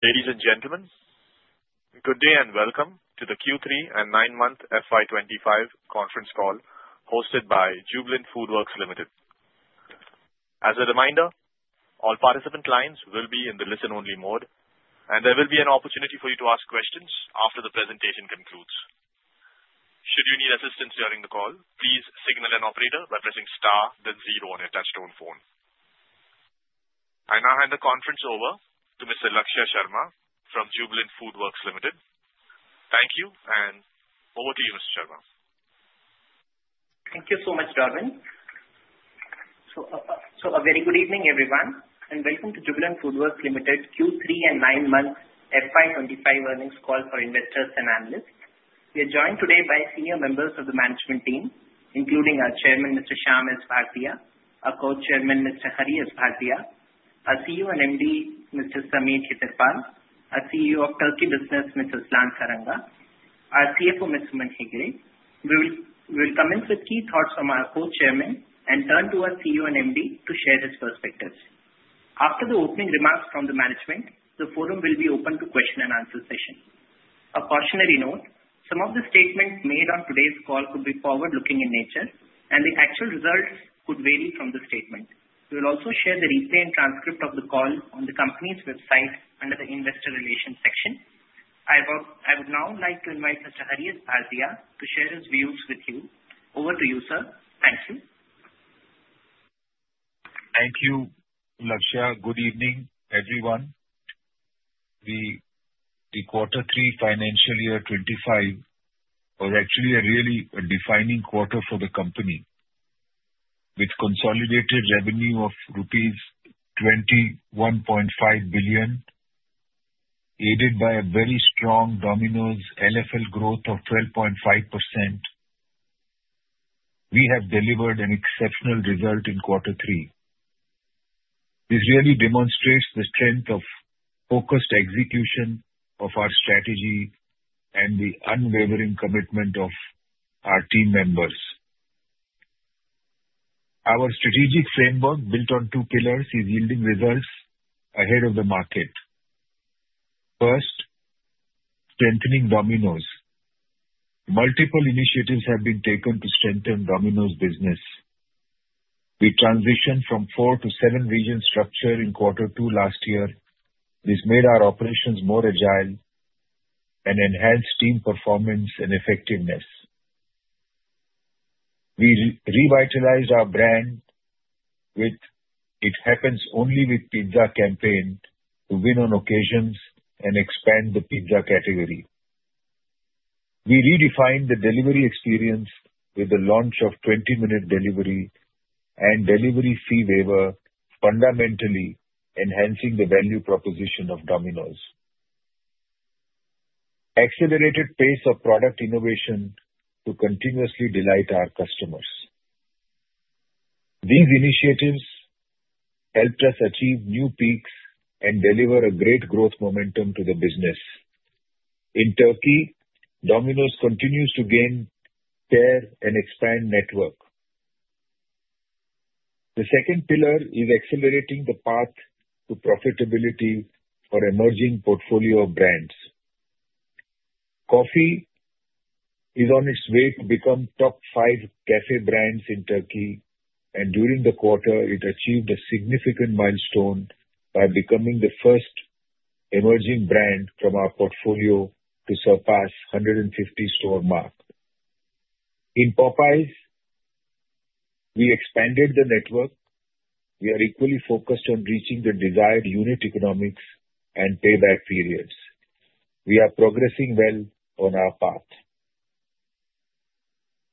Ladies and gentlemen, good day and welcome to the Q3 and 9-month FY25 Conference Call hosted by Jubilant FoodWorks Limited. As a reminder, all participant lines will be in the listen-only mode, and there will be an opportunity for you to ask questions after the presentation concludes. Should you need assistance during the call, please signal an operator by pressing star, then zero on your touch-tone phone. I now hand the conference over to Mr. Lakshya Sharma from Jubilant FoodWorks Limited. Thank you, and over to you, Mr. Sharma. Thank you so much, Darwin. So a very good evening, everyone, and welcome to Jubilant FoodWorks Limited Q3 and 9-month FY25 earnings call for investors and analysts. We are joined today by senior members of the management team, including our Chairman, Mr. Shyam S. Bhartia, our Co-Chairman, Mr. Hari S. Bhartia, our CEO and MD, Mr. Sameer Khetarpal, our CEO of Turkey Business, Mr. Aslan Saranga, our CFO, Ms. Suman Hegde. We will commence with key thoughts from our Co-Chairman and turn to our CEO and MD to share his perspectives. After the opening remarks from the management, the forum will be open to question and answer session. A cautionary note: some of the statements made on today's call could be forward-looking in nature, and the actual results could vary from the statement. We will also share the replay and transcript of the call on the company's website under the investor relations section. I would now like to invite Mr. Hari S. Bhartia to share his views with you. Over to you, sir. Thank you. Thank you, Lakshya. Good evening, everyone. The Q3 financial year 2025 was actually a really defining quarter for the company with consolidated revenue of rupees 21.5 billion, aided by a very strong Domino's LFL growth of 12.5%. We have delivered an exceptional result in Q3. This really demonstrates the strength of focused execution of our strategy and the unwavering commitment of our team members. Our strategic framework, built on two pillars, is yielding results ahead of the market. First, strengthening Domino's. Multiple initiatives have been taken to strengthen Domino's business. We transitioned from four to seven-region structure in Q2 last year. This made our operations more agile and enhanced team performance and effectiveness. We revitalized our brand with "It Happens Only with Pizza" campaign to win on occasions and expand the pizza category. We redefined the delivery experience with the launch of 20-minute delivery and delivery fee waiver, fundamentally enhancing the value proposition of Domino's. Accelerated pace of product innovation to continuously delight our customers. These initiatives helped us achieve new peaks and deliver a great growth momentum to the business. In Turkey, Domino's continues to gain share and expand network. The second pillar is accelerating the path to profitability for emerging portfolio brands. Coffee is on its way to become top five café brands in Turkey, and during the quarter, it achieved a significant milestone by becoming the first emerging brand from our portfolio to surpass the 150-store mark. In Popeyes, we expanded the network. We are equally focused on reaching the desired unit economics and payback periods. We are progressing well on our path.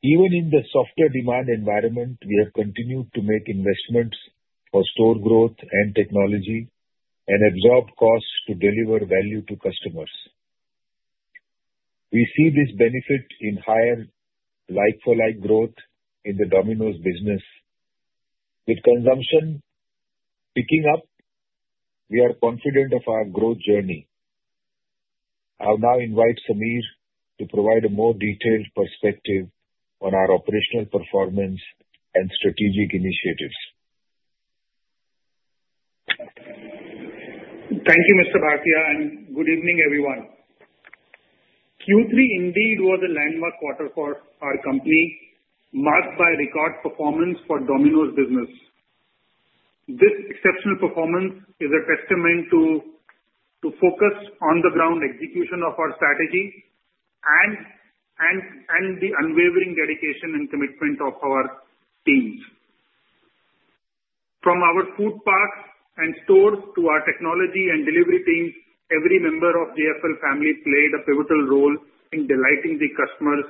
Even in the softer demand environment, we have continued to make investments for store growth and technology and absorb costs to deliver value to customers. We see this benefit in higher like-for-like growth in the Domino's business. With consumption picking up, we are confident of our growth journey. I'll now invite Sameer to provide a more detailed perspective on our operational performance and strategic initiatives. Thank you, Mr. Bhartia, and good evening, everyone. Q3 indeed was a landmark quarter for our company, marked by record performance for Domino's business. This exceptional performance is a testament to focus on-the-ground execution of our strategy and the unwavering dedication and commitment of our teams. From our food parks and stores to our technology and delivery teams, every member of the JFL family played a pivotal role in delighting the customers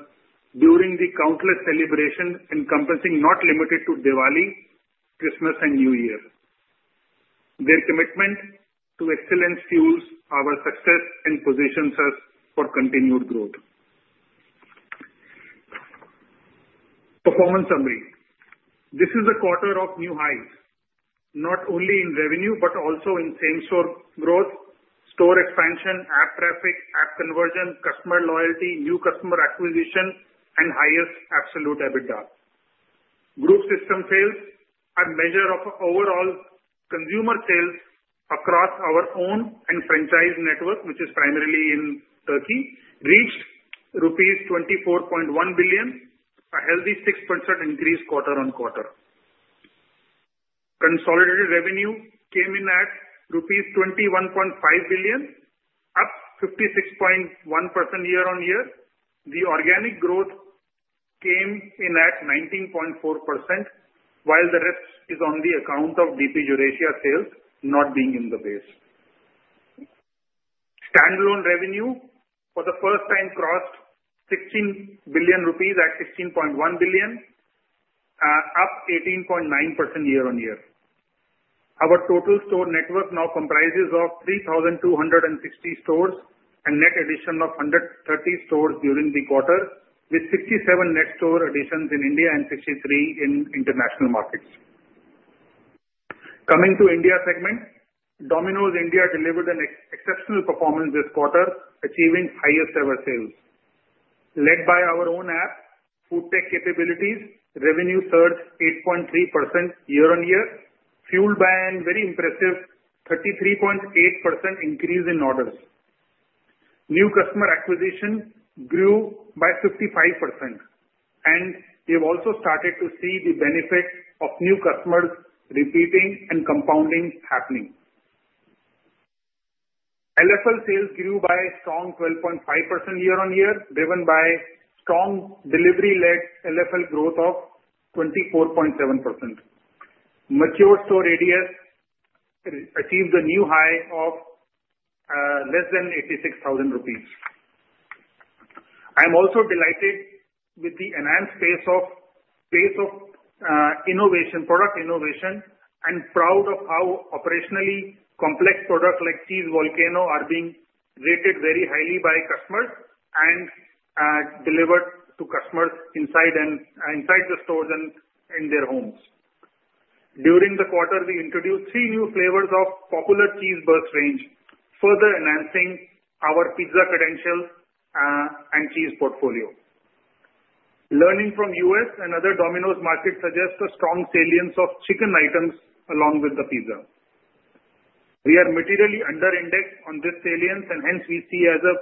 during the countless celebrations encompassing, not limited to, Diwali, Christmas, and New Year. Their commitment to excellence fuels our success and positions us for continued growth. Performance summary: This is a quarter of new highs, not only in revenue but also in same-store growth, store expansion, app traffic, app conversion, customer loyalty, new customer acquisition, and highest absolute EBITDA. Group system sales are a measure of overall consumer sales across our own and franchise network, which is primarily in Turkey, reached rupees 24.1 billion, a healthy 6% increase quarter on quarter. Consolidated revenue came in at rupees 21.5 billion, up 56.1% year-on-year. The organic growth came in at 19.4%, while the rest is on the account of DP Eurasia sales not being in the base. Standalone revenue, for the first time, crossed 16 billion rupees at 16.1 billion, up 18.9% year-on-year. Our total store network now comprises of 3,260 stores and a net addition of 130 stores during the quarter, with 67 net store additions in India and 63 in international markets. Coming to India segment, Domino's India delivered an exceptional performance this quarter, achieving highest-ever sales. Led by our own app, food tech capabilities, revenue surged 8.3% year-on-year, fueled by a very impressive 33.8% increase in orders. New customer acquisition grew by 55%, and we have also started to see the benefit of new customers repeating and compounding happening. LFL sales grew by a strong 12.5% year-on-year, driven by strong delivery-led LFL growth of 24.7%. Mature store radius achieved a new high of less than 86,000 rupees. I'm also delighted with the enhanced pace of innovation, product innovation, and proud of how operationally complex products like Cheese Volcano are being rated very highly by customers and delivered to customers inside the stores and in their homes. During the quarter, we introduced three new flavors of popular Cheese Burst range, further enhancing our pizza credential, and cheese portfolio. Learning from U.S. and other Domino's markets suggests a strong salience of chicken items along with the pizza. We are materially underindexed on this salience, and hence we see as a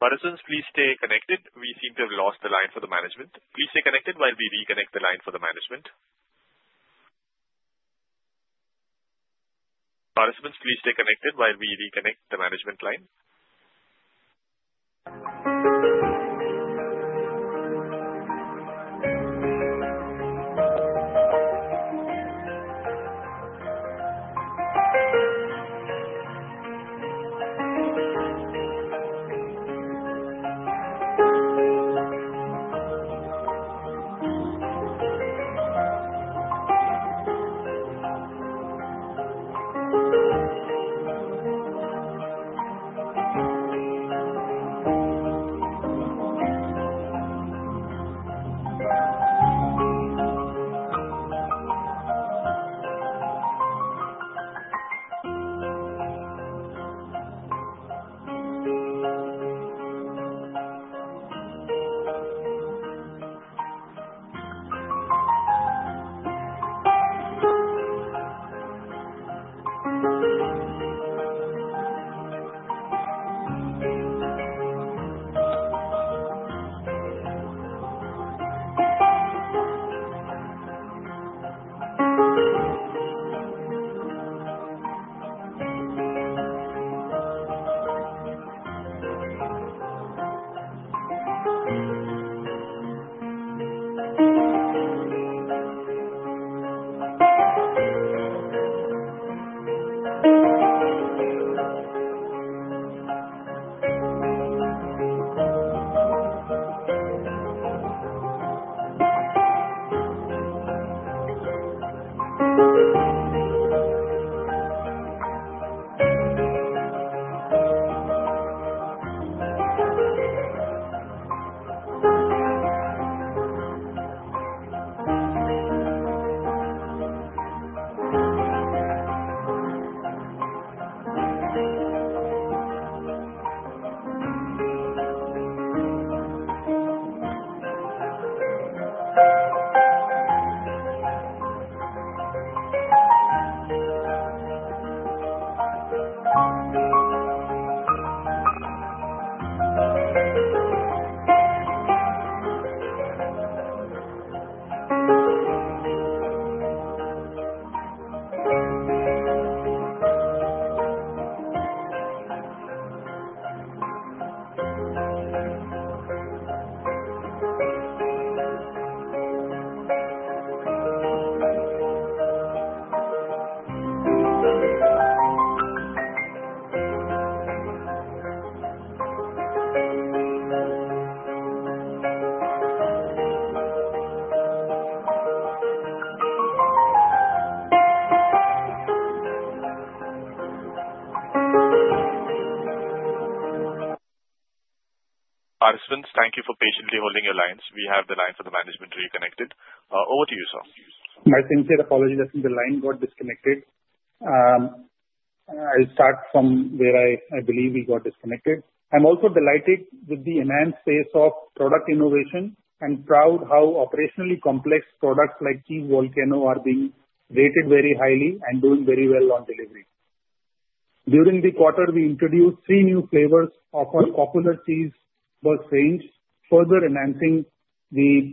big. Participants, please stay connected. We seem to have lost the line for the management. Please stay connected while we reconnect the line for the management. Participants, please stay connected while we reconnect the management line. Participants, thank you for patiently holding your lines. We have the line for the management reconnected. Over to you, sir. My sincere apologies that the line got disconnected. I'll start from where I believe we got disconnected. I'm also delighted with the enhanced pace of product innovation and proud how operationally complex products like Cheese Volcano are being rated very highly and doing very well on delivery. During the quarter, we introduced three new flavors of our popular Cheese Burst range, further enhancing the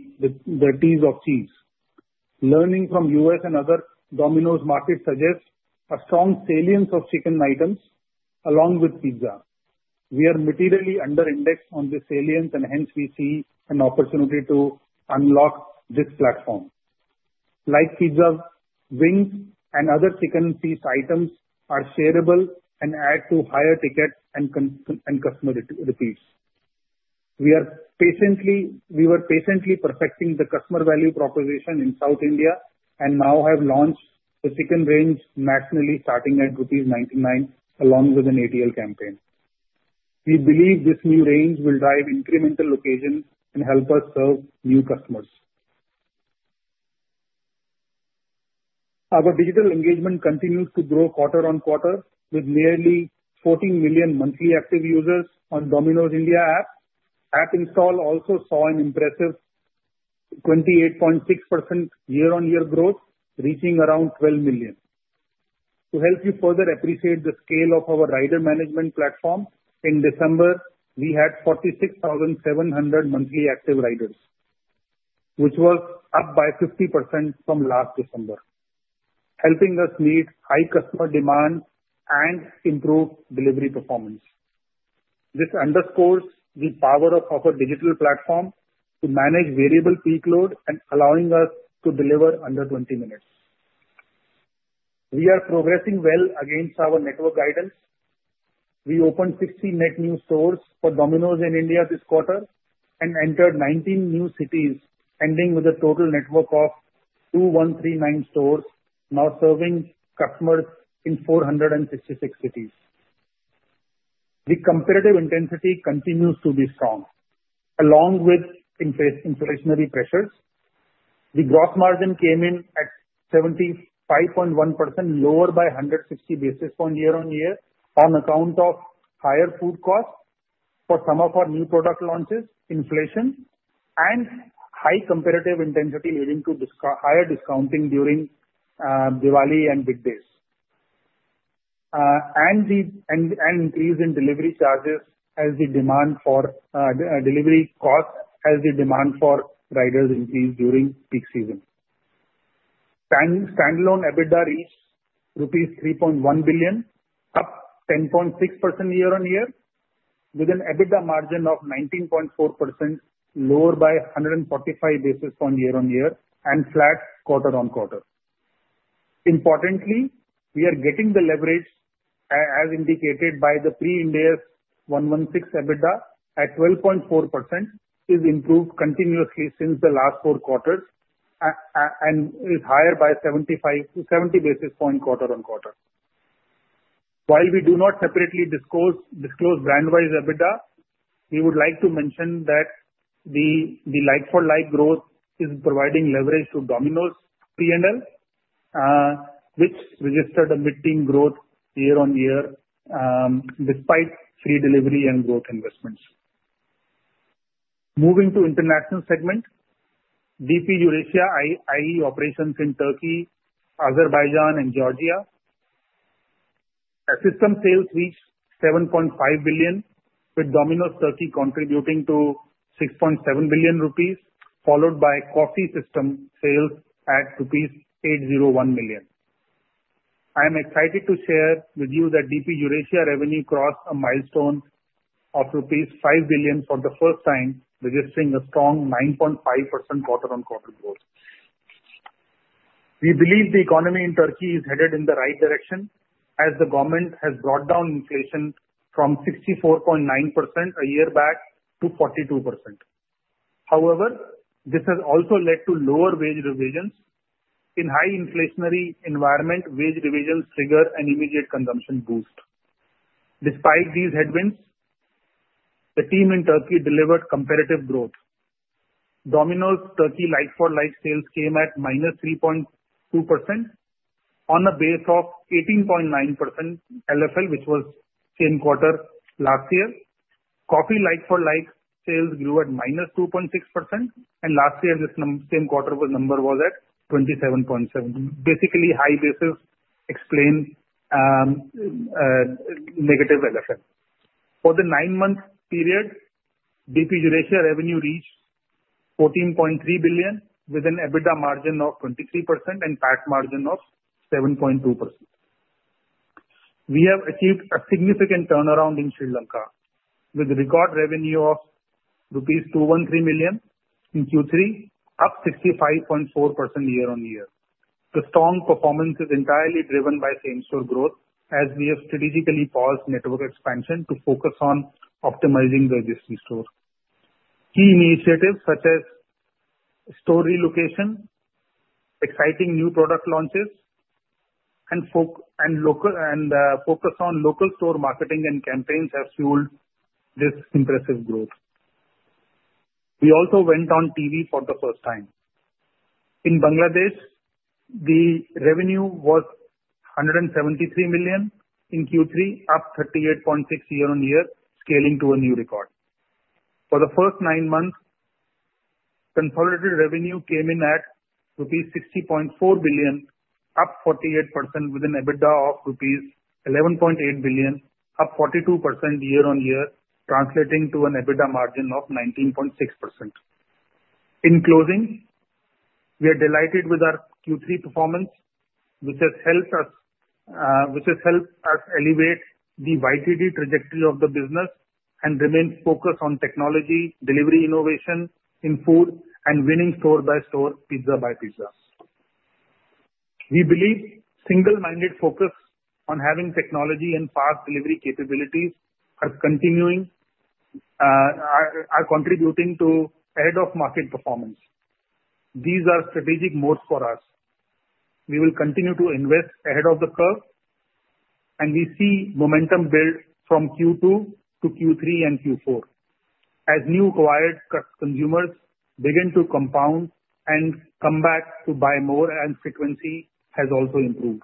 taste of cheese. Learning from U.S. and other Domino's markets suggests a strong salience of chicken items along with pizza. We are materially underindexed on this salience, and hence we see an opportunity to unlock this platform. Like pizzas, wings, and other chicken and cheese items are shareable and add to higher ticket and customer repeats. We were patiently perfecting the customer value proposition in South India and now have launched the chicken range nationally, starting at 99, along with an ATL campaign. We believe this new range will drive incremental location and help us serve new customers. Our digital engagement continues to grow quarter on quarter with nearly 14 million monthly active users on Domino's India app. App install also saw an impressive 28.6% year-on-year growth, reaching around 12 million. To help you further appreciate the scale of our rider management platform, in December, we had 46,700 monthly active riders, which was up by 50% from last December, helping us meet high customer demand and improve delivery performance. This underscores the power of our digital platform to manage variable peak load and allowing us to deliver under 20 minutes. We are progressing well against our network guidance. We opened 60 net new stores for Domino's in India this quarter and entered 19 new cities, ending with a total network of 2,139 stores now serving customers in 466 cities. The competitive intensity continues to be strong, along with inflationary pressures. The gross margin came in at 75.1%, lower by 160 basis points year-on-year on account of higher food costs for some of our new product launches, inflation, and high competitive intensity leading to higher discounting during Diwali and big days and the increase in delivery charges as the demand for delivery costs as the demand for riders increased during peak season. Standalone EBITDA reached rupees 3.1 billion, up 10.6% year-on-year, with an EBITDA margin of 19.4%, lower by 145 basis points year-on-year and flat quarter on quarter. Importantly, we are getting the leverage, as indicated by the Pre-Ind AS 116 EBITDA at 12.4%, which has improved continuously since the last four quarters and is higher by 70 basis points quarter on quarter. While we do not separately disclose brand-wise EBITDA, we would like to mention that the like-for-like growth is providing leverage to Domino's P&L, which registered a mid-teens growth year-on-year, despite free delivery and growth investments. Moving to international segment, DP Eurasia's operations in Turkey, Azerbaijan, and Georgia. System sales reached 7.5 billion, with Domino's Turkey contributing 6.7 billion rupees, followed by coffee system sales at rupees 801 million. I am excited to share with you that DP Eurasia revenue crossed a milestone of rupees 5 billion for the first time, registering a strong 9.5% quarter-on-quarter growth. We believe the economy in Turkey is headed in the right direction as the government has brought down inflation from 64.9% a year back to 42%. However, this has also led to lower wage revisions. In a high inflationary environment, wage revisions trigger an immediate consumption boost. Despite these headwinds, the team in Turkey delivered comparative growth. Domino's Turkey like-for-like sales came at minus 3.2% on a base of 18.9% LFL, which was same quarter last year. Coffee like-for-like sales grew at minus 2.6%, and last year, this same quarter number was at 27.7%. Basically, high base explains negative LFL. For the nine-month period, DP Eurasia revenue reached 14.3 billion, with an EBITDA margin of 23% and PAT margin of 7.2%. We have achieved a significant turnaround in Sri Lanka, with a record revenue of rupees 213 million in Q3, up 65.4% year-on-year. The strong performance is entirely driven by same-store growth, as we have strategically paused network expansion to focus on optimizing the existing store. Key initiatives such as store relocation, exciting new product launches, and focus on local store marketing and campaigns have fueled this impressive growth. We also went on TV for the first time. In Bangladesh, the revenue was BDT 173 million in Q3, up 38.6% year-on-year, scaling to a new record. For the first nine months, consolidated revenue came in at 60.4 billion, up 48%, with an EBITDA of rupees 11.8 billion, up 42% year-on-year, translating to an EBITDA margin of 19.6%. In closing, we are delighted with our Q3 performance, which has helped us elevate the YTD trajectory of the business and remain focused on technology, delivery innovation in food, and winning store by store, pizza by pizza. We believe single-minded focus on having technology and fast delivery capabilities are continuing, are contributing to ahead-of-market performance. These are strategic moves for us. We will continue to invest ahead of the curve, and we see momentum build from Q2 to Q3 and Q4 as new acquired consumers begin to compound and come back to buy more, and frequency has also improved.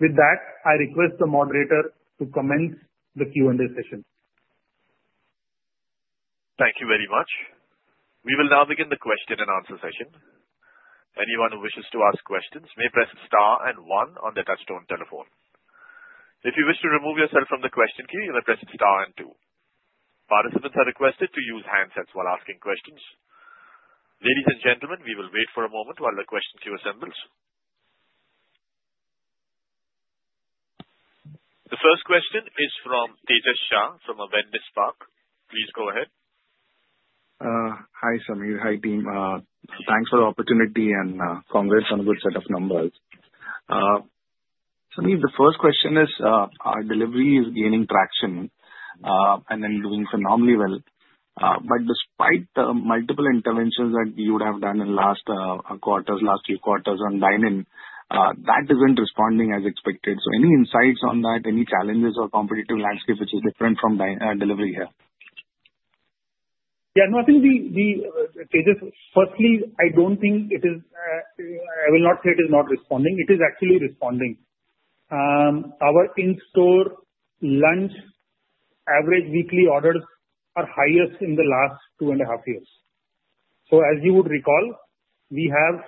With that, I request the moderator to commence the Q&A session. Thank you very much. We will now begin the question and answer session. Anyone who wishes to ask questions may press star and one on the touch-tone telephone. If you wish to remove yourself from the question queue, you may press star and two. Participants are requested to use handsets while asking questions. Ladies and gentlemen, we will wait for a moment while the question queue assembles. The first question is from Tejas Shah from Avendus Spark. Please go ahead. Hi, Sameer. Hi, team. Thanks for the opportunity and congrats on a good set of numbers. Sameer, the first question is, our delivery is gaining traction, and then doing phenomenally well. But despite the multiple interventions that you would have done in the last few quarters on dine-in, that isn't responding as expected. So any insights on that, any challenges or competitive landscape which is different from dine-in, delivery here? Yeah, no, I think, Tejas, firstly, I don't think it is. I will not say it is not responding. It is actually responding. Our in-store lunch average weekly orders are highest in the last two and a half years. So, as you would recall, we have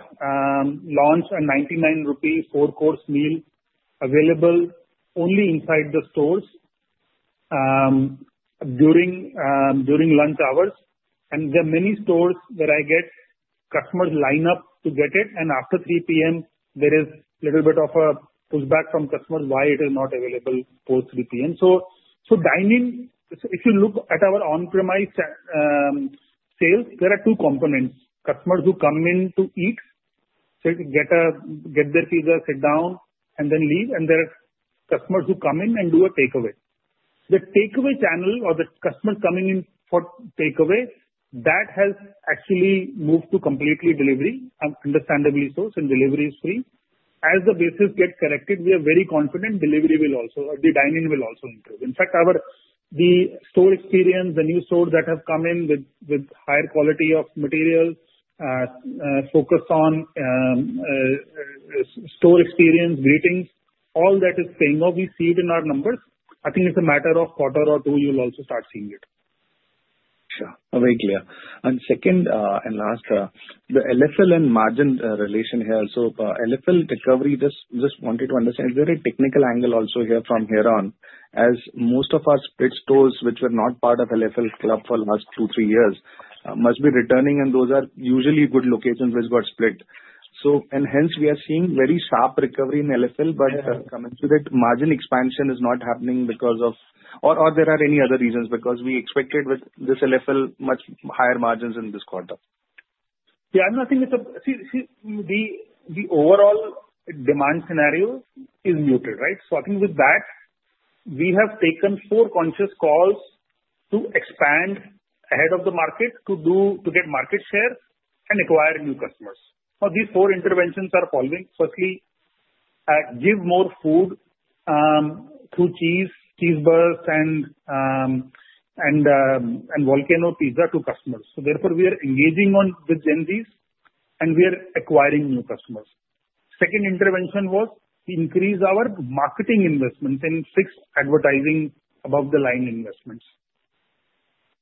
launched a 99 rupees four-course meal available only inside the stores, during lunch hours. And there are many stores where I get customers line up to get it, and after 3:00 P.M., there is a little bit of a pushback from customers why it is not available post 3:00 P.M. So, dine-in. So if you look at our on-premise sales, there are two components: customers who come in to eat, so get their pizza, sit down, and then leave, and there are customers who come in and do a takeaway. The takeaway channel or the customer coming in for takeaway, that has actually moved to completely delivery, and understandably so, since delivery is free. As the basis gets corrected, we are very confident delivery will also, the dine-in will also improve. In fact, our, the store experience, the new stores that have come in with higher quality of material, focus on store experience, greetings, all that is paying off. We see it in our numbers. I think it's a matter of quarter or two, you'll also start seeing it. Sure, very clear. And second, and last, the LFL and margin relation here. So, LFL recovery. Just wanted to understand, is there a technical angle also here from here on, as most of our split stores, which were not part of LFL Club for the last two, three years, must be returning, and those are usually good locations which got split. So, and hence we are seeing very sharp recovery in LFL, but coming to that, margin expansion is not happening because of—or there are any other reasons because we expected with this LFL much higher margins in this quarter? Yeah, and I think it's a—see, the overall demand scenario is muted, right? Starting with that, we have taken four conscious calls to expand ahead of the market to get market share and acquire new customers. Now, these four interventions are following. Firstly, give more food, through cheese, cheeseburgers, and volcano pizza to customers. So, therefore, we are engaging on with Gen Zs, and we are acquiring new customers. Second intervention was to increase our marketing investments and fix advertising above-the-line investments.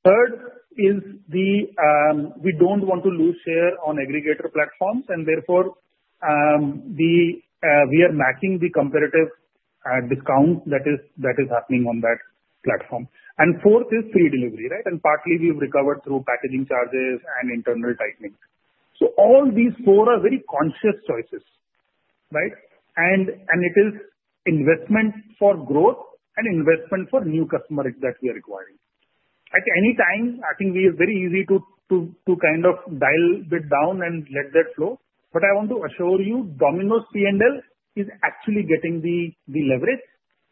Third is the, we don't want to lose share on aggregator platforms, and therefore, we are matching the comparative, discount that is happening on that platform. And fourth is free delivery, right? And partly, we've recovered through packaging charges and internal tightening. So, all these four are very conscious choices, right? It is investment for growth and investment for new customers that we are acquiring. At any time, I think we are very easy to kind of dial a bit down and let that flow. But I want to assure you, Domino's P&L is actually getting the leverage,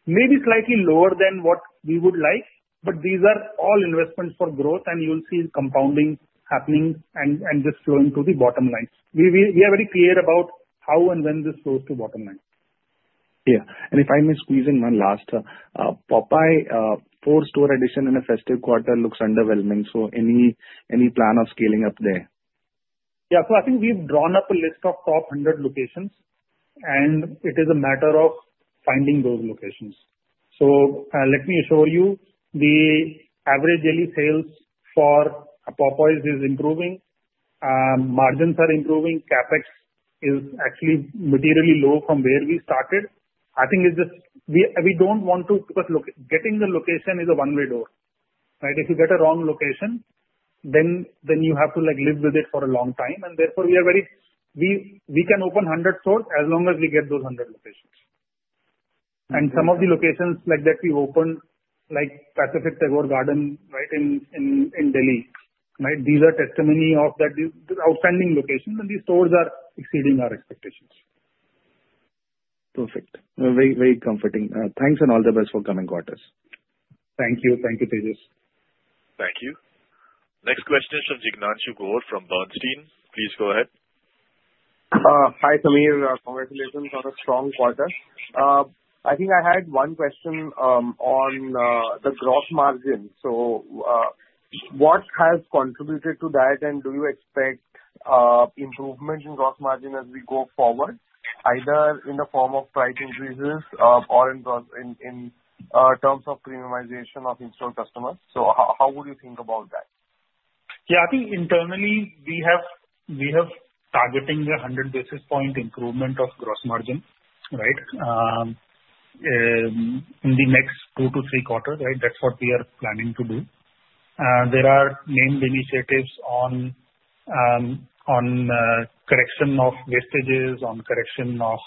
maybe slightly lower than what we would like, but these are all investments for growth, and you'll see compounding happening and just flowing to the bottom line. We are very clear about how and when this flows to bottom line. Yeah. And if I may squeeze in one last, Popeyes, four-store addition in a festive quarter looks underwhelming. So, any plan of scaling up there? Yeah, so I think we've drawn up a list of top 100 locations, and it is a matter of finding those locations. So, let me assure you, the average daily sales for Popeyes is improving. Margins are improving. CapEx is actually materially low from where we started. I think it's just we don't want to, because look, getting the location is a one-way door, right? If you get a wrong location, then you have to, like, live with it for a long time. And therefore, we are very, we can open 100 stores as long as we get those 100 locations. And some of the locations like that we've opened, like Pacific Tagore Garden, right, in Delhi, right? These are testimony of that outstanding locations, and these stores are exceeding our expectations. Perfect. Well, very, very comforting. Thanks and all the best for coming quarters. Thank you. Thank you, Tejas. Thank you. Next question is from Jignanshu Gor from Bernstein. Please go ahead. Hi, Sameer. Congratulations on a strong quarter. I think I had one question on the gross margin. So, what has contributed to that, and do you expect improvement in gross margin as we go forward, either in the form of price increases, or in terms of premiumization of in-store customers? So, how would you think about that? Yeah, I think internally, we have targeting the 100 basis points improvement of gross margin, right? In the next two to three quarters, right? That's what we are planning to do. There are named initiatives on correction of wastages, on correction of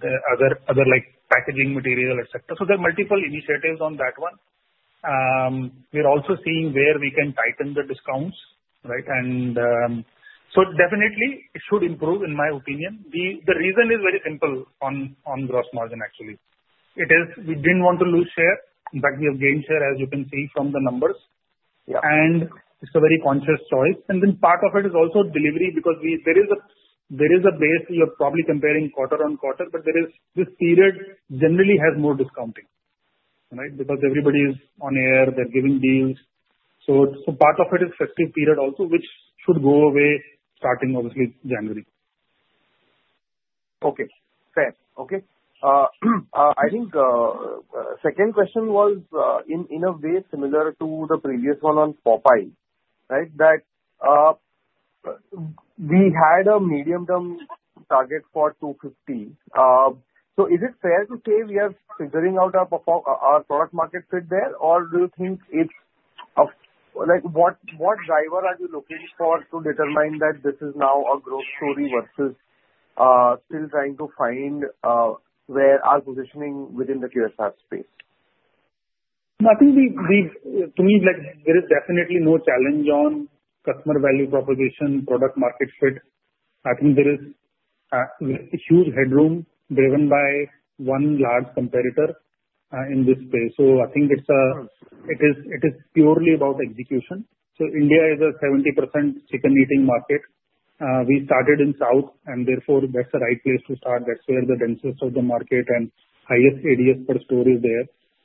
the other like packaging material, etc. So, there are multiple initiatives on that one. We're also seeing where we can tighten the discounts, right? And so definitely, it should improve, in my opinion. The reason is very simple on gross margin, actually. It is we didn't want to lose share. In fact, we have gained share, as you can see from the numbers. Yeah. It's a very conscious choice. Then part of it is also delivery because there is a base we are probably comparing quarter on quarter, but there is this period generally has more discounting, right? Because everybody is on air, they're giving deals. So part of it is festive period also, which should go away starting, obviously, January. Okay. Fair. Okay. I think the second question was, in a way similar to the previous one on Popeyes, right, that we had a medium-term target for 250. So is it fair to say we are figuring out our product market fit there, or do you think it's a, what driver are you looking for to determine that this is now a growth story versus still trying to find where our positioning within the QSR space? No, I think—to me, like, there is definitely no challenge on customer value proposition, product market fit. I think there is huge headroom driven by one large competitor in this space. So, I think it's purely about execution. So, India is a 70% chicken-eating market. We started in South, and therefore, that's the right place to start. That's where the densest of the market and highest ADS per store is there.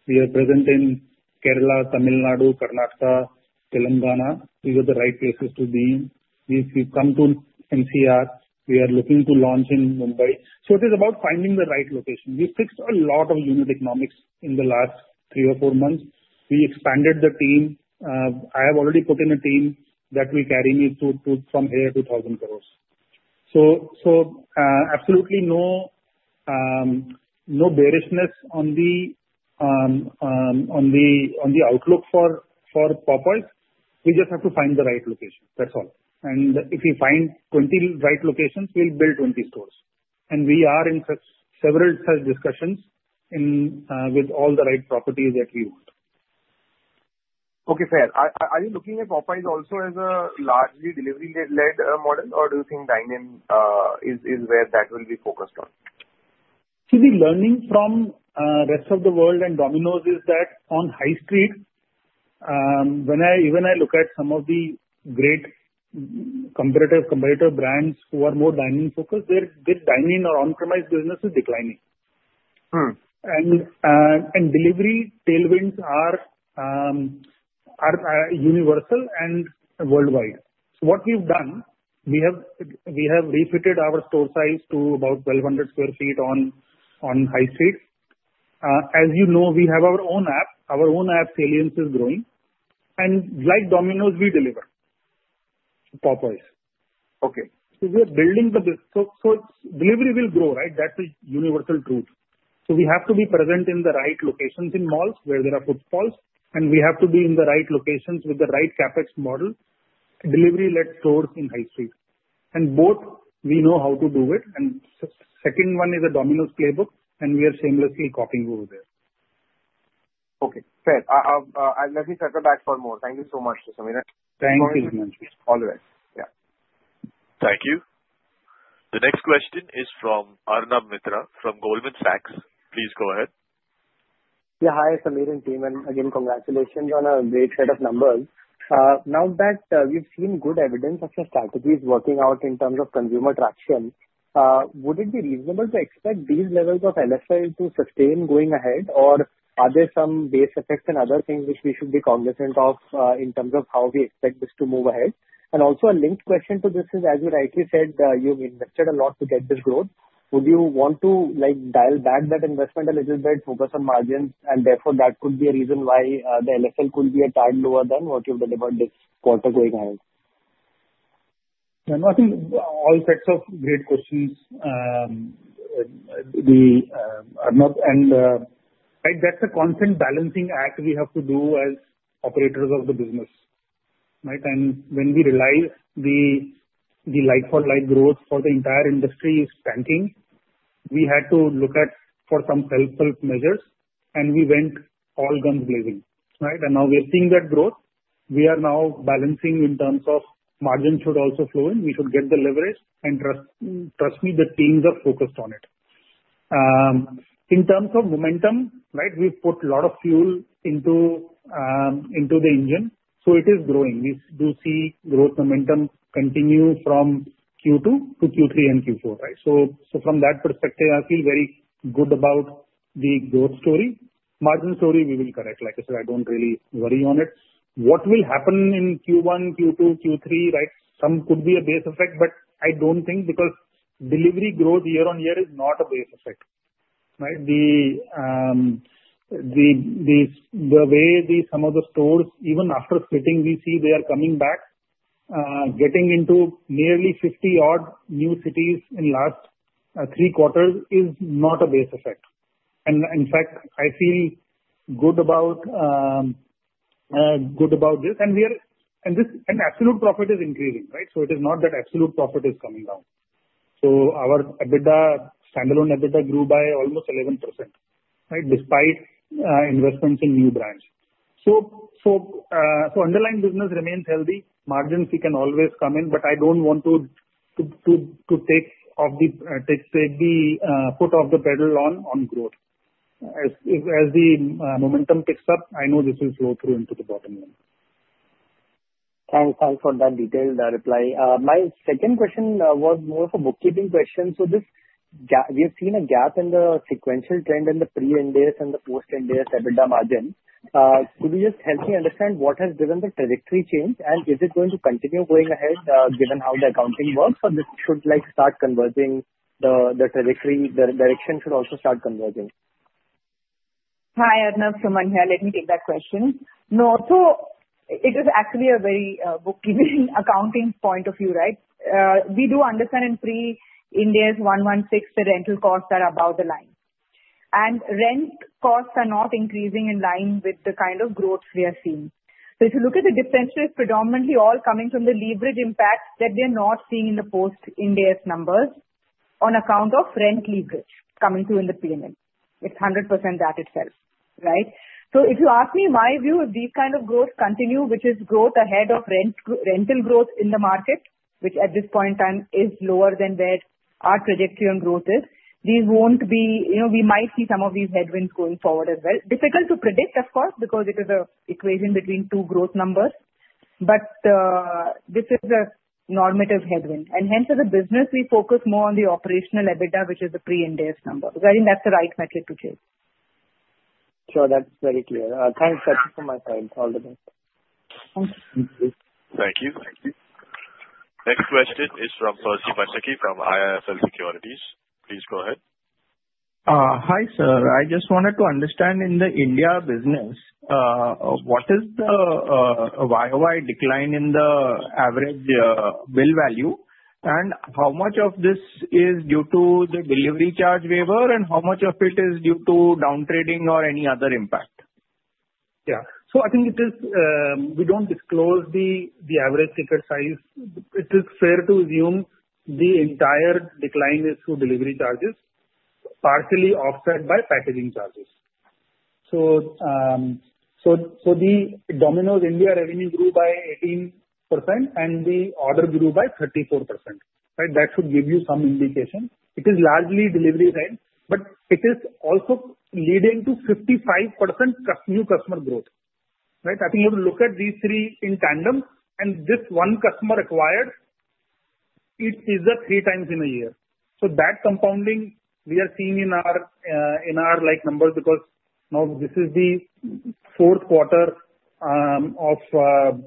We are present in Kerala, Tamil Nadu, Karnataka, Telangana. These are the right places to be in. If you come to NCR, we are looking to launch in Mumbai. So, it is about finding the right location. We fixed a lot of unit economics in the last three or four months. We expanded the team. I have already put in a team that will carry me from here to 1,000 stores. Absolutely no bearishness on the outlook for Popeyes. We just have to find the right location. That's all. And if we find 20 right locations, we'll build 20 stores. And we are in several such discussions with all the right properties that we want. Okay, fair. Are you looking at Popeyes also as a largely delivery-led model, or do you think dine-in is where that will be focused on? See, the learning from rest of the world and Domino's is that on high street, when even I look at some of the great competitor brands who are more dine-in-focused, their dine-in or on-premise business is declining. And delivery tailwinds are universal and worldwide. So, what we've done, we have refitted our store size to about 1,200 sq ft on high street. As you know, we have our own app. Our own app, Saliens, is growing. And like Domino's, we deliver Popeyes. Okay. Delivery will grow, right? That's a universal truth. We have to be present in the right locations in malls where there are food stalls, and we have to be in the right locations with the right CapEx model, delivery-led stores in high street. Both, we know how to do it. The second one is a Domino's playbook, and we are seamlessly copying over there. Okay. Fair. Let me circle back for more. Thank you so much, Sameer. Thank you, Jignanshu. All right. Yeah. Thank you. The next question is from Arnab Mitra from Goldman Sachs. Please go ahead. Yeah, hi, Sameer and team. And again, congratulations on a great set of numbers. Now that we've seen good evidence of your strategies working out in terms of consumer traction, would it be reasonable to expect these levels of LFL to sustain going ahead, or are there some base effects and other things which we should be cognizant of, in terms of how we expect this to move ahead? And also, a linked question to this is, as you rightly said, you've invested a lot to get this growth. Would you want to, like, dial back that investment a little bit, focus on margins, and therefore, that could be a reason why the LFL could be a tad lower than what you've delivered this quarter going ahead? Yeah, no, I think a set of great questions. The, Arnab, and right, that's a constant balancing act we have to do as operators of the business, right? And when we realize the, the like-for-like growth for the entire industry is tanking, we had to look at some self-help measures, and we went all guns blazing, right? And now we're seeing that growth. We are now balancing in terms of margin should also flow in. We should get the leverage, and trust, trust me, the teams are focused on it. In terms of momentum, right, we've put a lot of fuel into, into the engine, so it is growing. We do see growth momentum continue from Q2 to Q3 and Q4, right? So, so from that perspective, I feel very good about the growth story. Margin story, we will correct. Like I said, I don't really worry on it. What will happen in Q1, Q2, Q3, right? Some could be a base effect, but I don't think because delivery growth year on year is not a base effect, right? The way some of the stores, even after splitting, we see they are coming back, getting into nearly 50-odd new cities in the last three quarters is not a base effect. And in fact, I feel good about this. And absolute profit is increasing, right? So, it is not that absolute profit is coming down. So, our EBITDA, standalone EBITDA, grew by almost 11%, right, despite investments in new brands. So underlying business remains healthy. Margins can always come in, but I don't want to take the foot off the pedal on growth. As the momentum picks up, I know this will flow through into the bottom line. Thanks, Hari, for that detailed reply. My second question was more of a bookkeeping question. So, this gap, we have seen a gap in the sequential trend in the Pre-Ind years and the Post-Ind years EBITDA margin. Could you just help me understand what has driven the trajectory change, and is it going to continue going ahead, given how the accounting works, or this should, like, start converging? The trajectory, the direction should also start converging. Hi, Arnab, Suman here. Let me take that question. No, so it is actually a very bookkeeping accounting point of view, right? We do understand in Pre-Ind AS 116 years, the rental costs are above the line. And rent costs are not increasing in line with the kind of growth we are seeing. So, if you look at the differential, it's predominantly all coming from the leverage impact that we are not seeing in the Post-Ind AS 116 years numbers on account of rent leverage coming through in the P&L. It's 100% that itself, right? So, if you ask me my view, if these kind of growth continue, which is growth ahead of rent growth, rental growth in the market, which at this point in time is lower than where our trajectory on growth is, these won't be, you know, we might see some of these headwinds going forward as well. Difficult to predict, of course, because it is an equation between two growth numbers. But, this is a normative headwind. And hence, as a business, we focus more on the operational EBITDA, which is the Pre-Ind AS number. So, I think that's the right metric to choose. Sure, that's very clear. Thanks, Suman, for my time. All the best. Thank you. Thank you. Next question is from Percy Panthaki from IIFL Securities. Please go ahead. Hi, sir. I just wanted to understand in the India business what is the YOY decline in the average bill value, and how much of this is due to the delivery charge waiver, and how much of it is due to downtrading or any other impact? Yeah. So, I think it is, we don't disclose the average ticket size. It is fair to assume the entire decline is through delivery charges, partially offset by packaging charges. So the Domino's India revenue grew by 18%, and the order grew by 34%, right? That should give you some indication. It is largely delivery rate, but it is also leading to 55% new customer growth, right? I think you have to look at these three in tandem, and this one customer acquired, it is a three times in a year. So, that compounding, we are seeing in our like numbers because now this is the fourth quarter of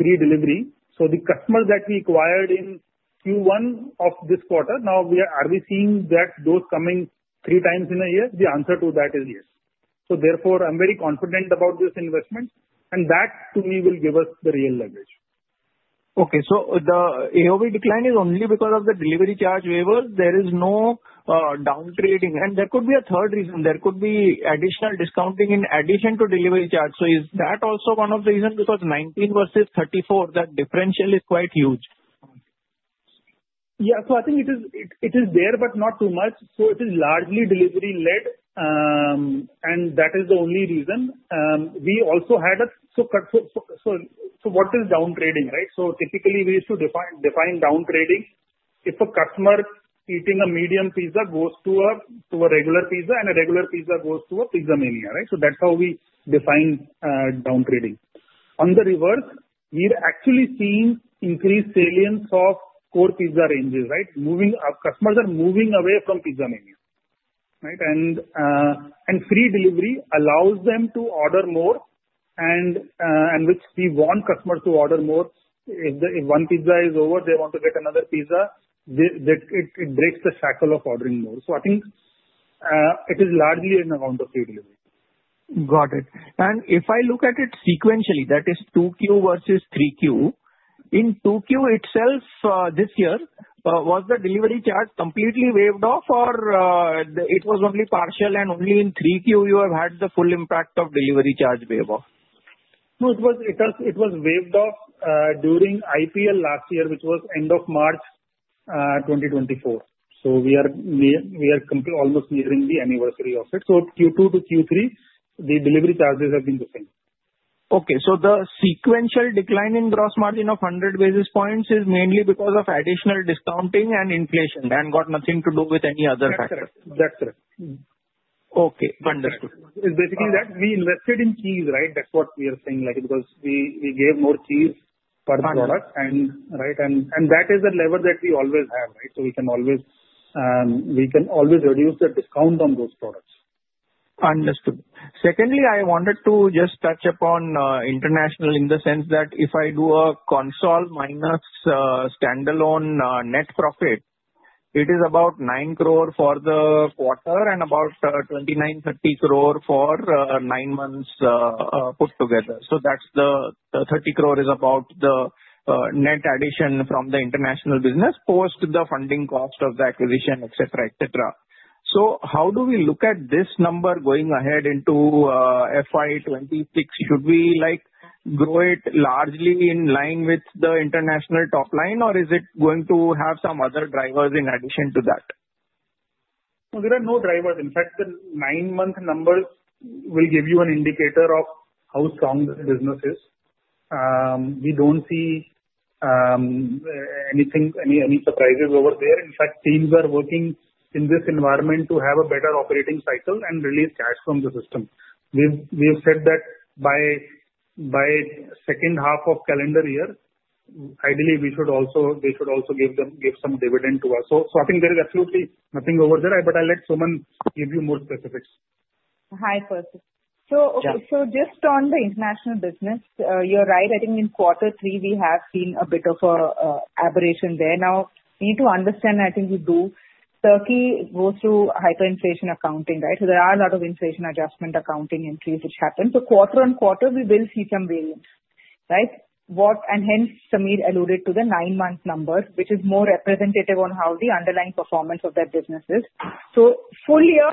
pre-delivery. So, the customers that we acquired in Q1 of this quarter, now we are seeing that those coming three times in a year? The answer to that is yes. Therefore, I'm very confident about this investment, and that, to me, will give us the real leverage. Okay. So, the AOV decline is only because of the delivery charge waiver. There is no, downtrading. And there could be a third reason. There could be additional discounting in addition to delivery charge. So, is that also one of the reasons because 19 versus 34, that differential is quite huge? Yeah. So, I think it is there, but not too much. So, it is largely delivery-led, and that is the only reason. We also had a cut, so what is downtrading, right? So, typically, we used to define downtrading if a customer eating a medium pizza goes to a regular pizza, and a regular pizza goes to a pizza mania, right? So, that's how we define downtrading. On the reverse, we're actually seeing increased salience of core pizza ranges, right? Our customers are moving away from pizza mania, right? And free delivery allows them to order more, and which we want customers to order more. If one pizza is over, they want to get another pizza, it breaks the shackle of ordering more. So, I think it is largely on account of free delivery. Got it. And if I look at it sequentially, that is 2Q versus 3Q, in 2Q itself, this year, was the delivery charge completely waived off, or, it was only partial, and only in 3Q you have had the full impact of delivery charge waiver? No, it was waived off during IPL last year, which was end of March, 2024. So, we are almost nearing the anniversary of it. So, Q2 to Q3, the delivery charges have been the same. Okay. So, the sequential decline in gross margin of 100 basis points is mainly because of additional discounting and inflation and got nothing to do with any other factor? That's correct. That's correct. Okay. Understood. It's basically that we invested in cheese, right? That's what we are saying, like, because we gave more cheese per product, and right? And that is the lever that we always have, right? So, we can always reduce the discount on those products. Understood. Secondly, I wanted to just touch upon international in the sense that if I do a consolidated minus standalone net profit, it is about 9 crore for the quarter and about 29-30 crore for nine months put together. So, that's the 30 crore is about the net addition from the international business post the funding cost of the acquisition, etc., etc. So, how do we look at this number going ahead into FY 26? Should we, like, grow it largely in line with the international top line, or is it going to have some other drivers in addition to that? No, there are no drivers. In fact, the nine-month numbers will give you an indicator of how strong the business is. We don't see any surprises over there. In fact, teams are working in this environment to have a better operating cycle and release cash from the system. We've said that by second half of calendar year, ideally, they should also give some dividend to us. So I think there is absolutely nothing over there. But I'll let Suman give you more specifics. Hi, Percy. So, okay. So, just on the international business, you're right. I think in quarter three, we have seen a bit of an aberration there. Now, we need to understand. I think we do. Turkey goes through hyperinflation accounting, right? So, there are a lot of inflation adjustment accounting entries which happen. So, quarter on quarter, we will see some variance, right? And hence, Sameer alluded to the 9-month number, which is more representative on how the underlying performance of that business is. So, full year,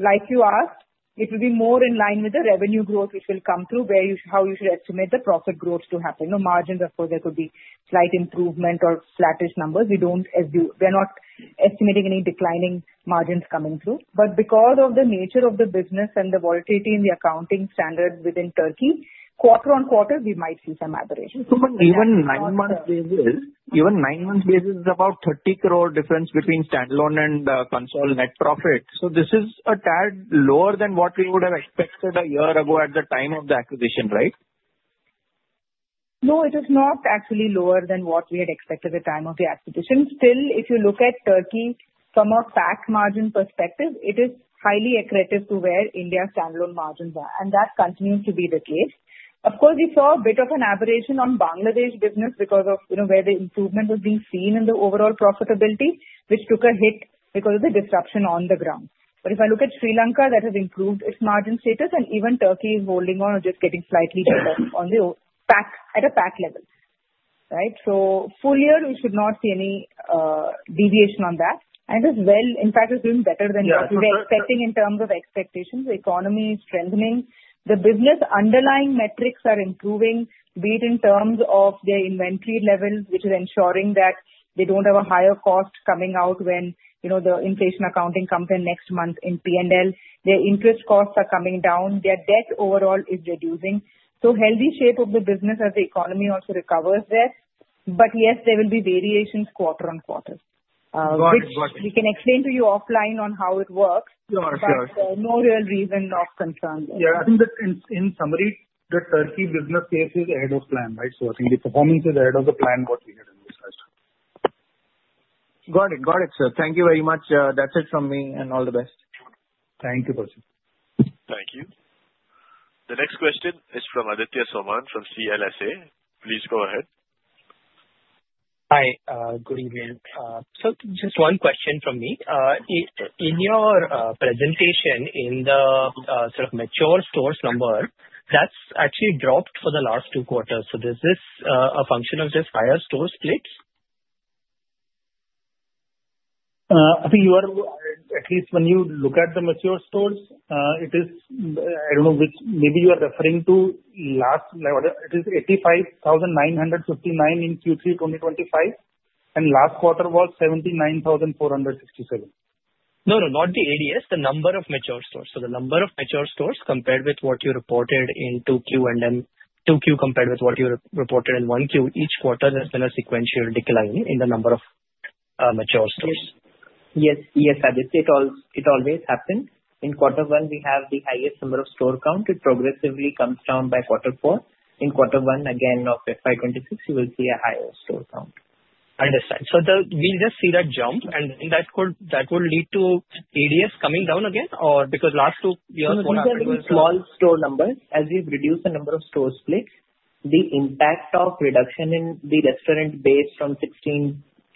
like you asked, it will be more in line with the revenue growth which will come through where you—how you should estimate the profit growth to happen. The margins, of course, there could be slight improvement or flattish numbers. We don't—as you—we're not estimating any declining margins coming through. But because of the nature of the business and the volatility in the accounting standards within Turkey, quarter on quarter, we might see some aberrations. So, even nine-month basis is about 30 crore difference between standalone and consolidated net profit. So, this is a tad lower than what we would have expected a year ago at the time of the acquisition, right? No, it is not actually lower than what we had expected at the time of the acquisition. Still, if you look at Turkey from a PAT margin perspective, it is highly accurate as to where India's standalone margins are, and that continues to be the case. Of course, we saw a bit of an aberration on Bangladesh business because of, you know, where the improvement was being seen in the overall profitability, which took a hit because of the disruption on the ground. But if I look at Sri Lanka, that has improved its margin status, and even Turkey is holding on or just getting slightly better on the PAT at a PAT level, right? So, full year, we should not see any, deviation on that. And as well, in fact, it's doing better than what we were expecting in terms of expectations. The economy is strengthening. The business underlying metrics are improving, be it in terms of their inventory levels, which is ensuring that they don't have a higher cost coming out when, you know, the inflation accounting comes in next month in P&L. Their interest costs are coming down. Their debt overall is reducing. So, healthy shape of the business as the economy also recovers there. But yes, there will be variations quarter on quarter, which we can explain to you offline on how it works. Sure, sure. But no real reason for concern. Yeah. I think that in summary, the Turkey business case is ahead of plan, right? So, I think the performance is ahead of the plan, what we had in this question. Got it. Got it, sir. Thank you very much. That's it from me, and all the best. Thank you, Percy. Thank you. The next question is from Aditya Soman from CLSA. Please go ahead. Hi, good evening. So just one question from me. In your presentation in the sort of mature stores number, that's actually dropped for the last two quarters. So, is this a function of just higher store splits? I think you are at least when you look at the mature stores, it is. I don't know which maybe you are referring to last, like, what it is 85,959 in Q3 2025, and last quarter was 79,467. No, no, not the ADS, the number of mature stores. So, the number of mature stores compared with what you reported in 2Q and then 2Q compared with what you reported in 1Q, each quarter has been a sequential decline in the number of mature stores. Yes. Yes. Yes, Aditya, it all, it always happens. In quarter one, we have the highest number of store count. It progressively comes down by quarter four. In quarter one, again, of FY 2026, you will see a higher store count. Understood. So, then we just see that jump, and then that could, that would lead to ADS coming down again, or because last two years won't have been? We saw the small store numbers. As we've reduced the number of store splits, the impact of reduction in the restaurant base from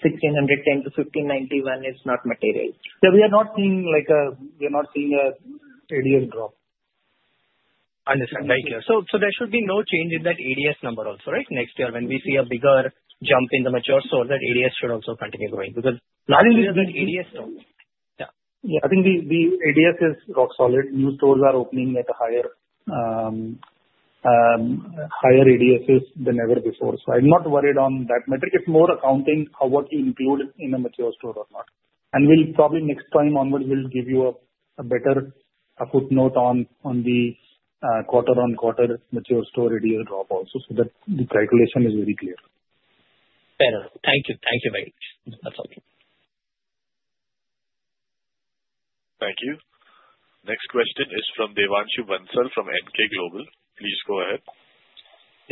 1,610 to 1,591 is not material. Yeah, we are not seeing, like, a ADS drop. Understood. Thank you. So, there should be no change in that ADS number also, right? Next year, when we see a bigger jump in the mature stores, that ADS should also continue going because not only is that ADS down. Yeah. Yeah. I think we ADS is rock solid. New stores are opening at a higher ADSs than ever before. So, I'm not worried on that metric. It's more accounting how what you include in a mature store or not. And we'll probably next time onwards, we'll give you a better footnote on the quarter on quarter mature store ADS drop also, so that the calculation is very clear. Better. Thank you. Thank you very much. That's all. Thank you. Next question is from Devanshu Bansal from Emkay Global. Please go ahead.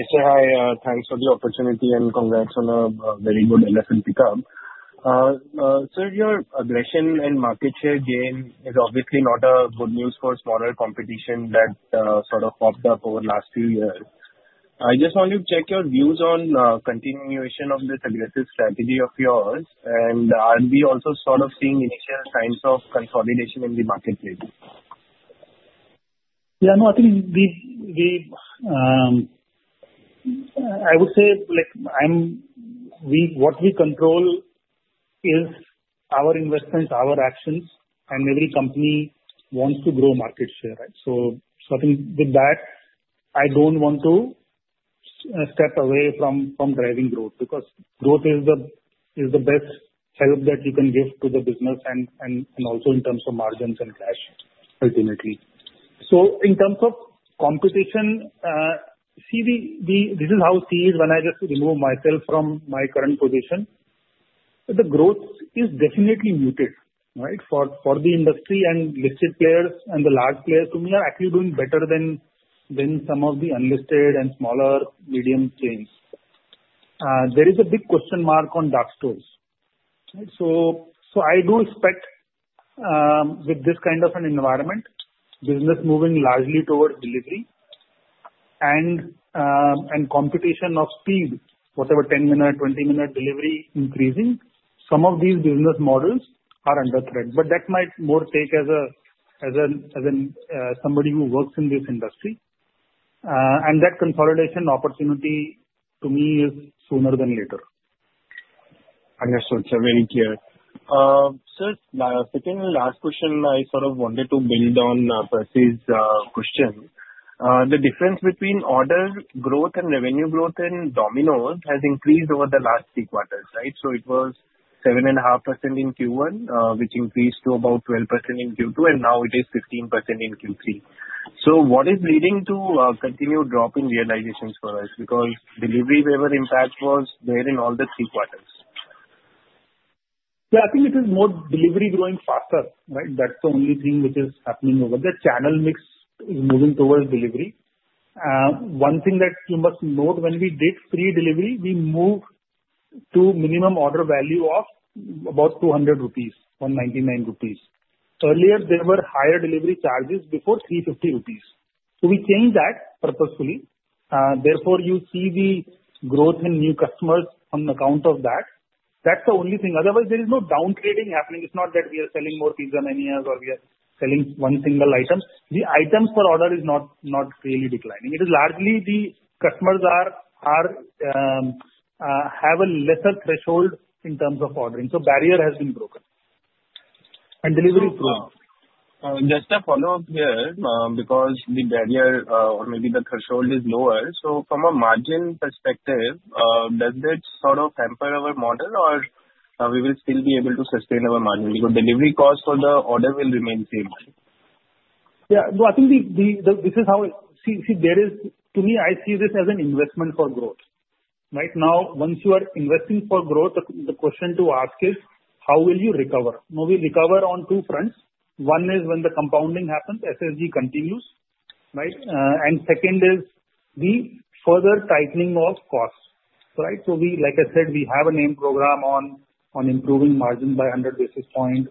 Yes, sir. Hi, thanks for the opportunity, and congrats on a very good LS&P Cup. Sir, your aggression and market share gain is obviously not good news for smaller competition that, sort of popped up over the last few years. I just want to check your views on, continuation of this aggressive strategy of yours, and are we also sort of seeing initial signs of consolidation in the marketplace? Yeah. No, I think we, I would say, like, I mean, what we control is our investments, our actions, and every company wants to grow market share, right? So, I think with that, I don't want to step away from driving growth because growth is the best help that you can give to the business and also in terms of margins and cash ultimately. So, in terms of competition, see, this is how it is when I just remove myself from my current position. The growth is definitely muted, right, for the industry and listed players and the large players. To me, they are actually doing better than some of the unlisted and smaller, medium chains. There is a big question mark on dark stores, right? So I do expect, with this kind of an environment, business moving largely towards delivery and the competition of speed, whatever, 10-minute, 20-minute delivery increasing, some of these business models are under threat. But that might be more the take of somebody who works in this industry. And that consolidation opportunity, to me, is sooner rather than later. Understood. Sir, very clear. Sir, second and last question, I sort of wanted to build on Farshid's question. The difference between order growth and revenue growth in Domino's has increased over the last three quarters, right? So, it was 7.5% in Q1, which increased to about 12% in Q2, and now it is 15% in Q3. So, what is leading to a continued drop in realizations for us? Because delivery waiver impact was there in all the three quarters. Yeah. I think it is more delivery growing faster, right? That's the only thing which is happening over there. Channel mix is moving towards delivery. One thing that you must note, when we did free delivery, we moved to minimum order value of about 200 rupees or 99 rupees. Earlier, there were higher delivery charges before 350 rupees. So, we changed that purposefully. Therefore, you see the growth in new customers on account of that. That's the only thing. Otherwise, there is no downtrading happening. It's not that we are selling more pizza menus or we are selling one single item. The items per order is not really declining. It is largely the customers have a lesser threshold in terms of ordering. So, barrier has been broken, and delivery is growing. Just a follow-up here, because the barrier, or maybe the threshold is lower. So, from a margin perspective, does that sort of hamper our model, or, we will still be able to sustain our margin because delivery cost for the order will remain the same? Yeah. No, I think this is how I see it. See, to me, I see this as an investment for growth, right? Now, once you are investing for growth, the question to ask is, how will you recover? No, we recover on two fronts. One is when the compounding happens, SSG continues, right? And second is the further tightening of costs, right? So, we, like I said, we have an aim program on improving margin by 100 basis points.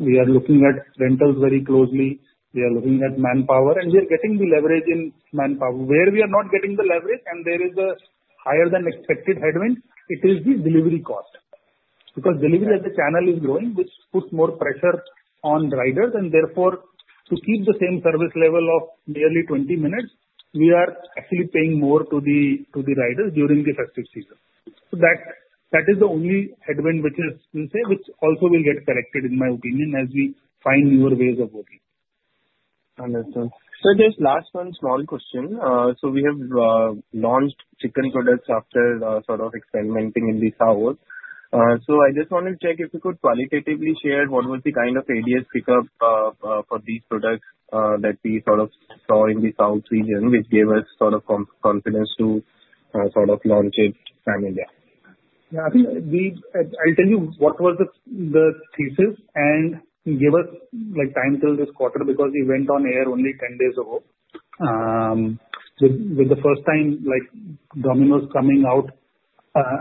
We are looking at rentals very closely. We are looking at manpower, and we are getting the leverage in manpower. Where we are not getting the leverage, and there is a higher than expected headwind, it is the delivery cost because delivery as the channel is growing, which puts more pressure on riders. Therefore, to keep the same service level of nearly 20 minutes, we are actually paying more to the riders during the festive season. That is the only headwind which is, you say, which also will get corrected, in my opinion, as we find newer ways of working. Understood. Sir, just last one small question. So we have launched chicken products after sort of experimenting in the South. So I just wanted to check if you could qualitatively share what was the kind of ADS pickup for these products that we sort of saw in the South region, which gave us sort of confidence to sort of launch it in India? Yeah. I think we, I'll tell you what was the thesis and give us, like, time till this quarter because we went on air only 10 days ago, with the first time, like, Domino's coming out,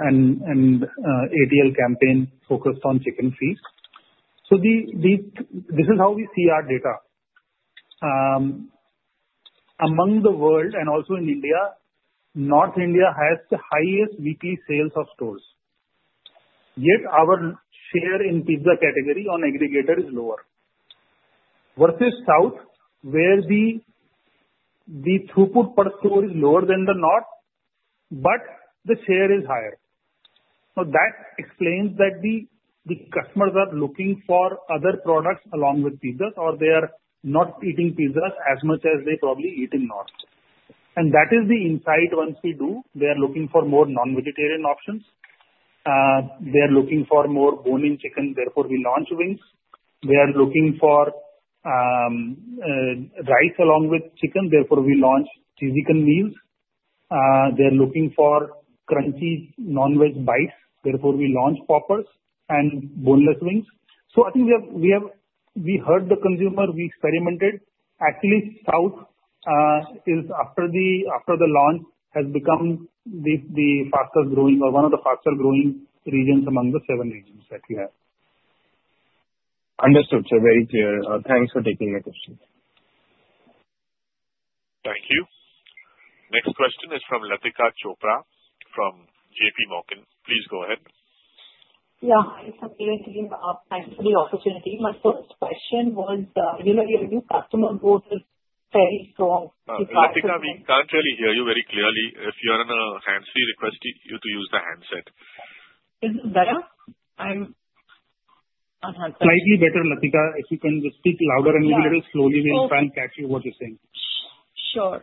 and ATL campaign focused on chicken feast. So, this is how we see our data in the world and also in India. North India has the highest weekly sales of stores. Yet, our share in pizza category on aggregator is lower versus South, where the throughput per store is lower than the North, but the share is higher. So, that explains that the customers are looking for other products along with pizzas, or they are not eating pizzas as much as they probably eat in North. And that is the insight we drew. They are looking for more non-vegetarian options. They are looking for more bone-in chicken. Therefore, we launch wings. They are looking for rice along with chicken. Therefore, we launch cheesy chicken meals. They are looking for crunchy non-veg bites. Therefore, we launch poppers and boneless wings. So, I think we have we heard the consumer. We experimented. Actually, South is after the launch has become the fastest growing or one of the fastest growing regions among the seven regions that we have. Understood, sir. Very clear. Thanks for taking my question. Thank you. Next question is from Latika Chopra from JPMorgan. Please go ahead. Yeah. Thanks for the opportunity. My first question was, you know, your new customer growth is very strong. Latika, we can't really hear you very clearly. If you are on a hands-free, request you to use the handset. Is it better? I'm on handset. Slightly better, Latika. If you can just speak louder and maybe a little slowly, we'll try and catch you what you're saying. Sure.